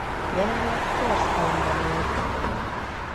Jelenleg Tórshavnban él.